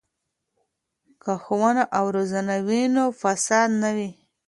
که ښوونه او روزنه وي نو فساد نه وي.